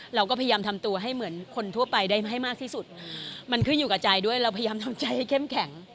เราก็พยายามทำตัวให้เหมือนคนทั่วไปได้ให้มากที่สุดมันขึ้นอยู่กับใจด้วยเราพยายามทำใจให้เข้มแข็ง